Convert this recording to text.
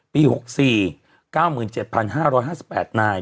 ปี๖๔๙๗๕๕๘นาย